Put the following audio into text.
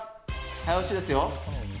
早押しですよ。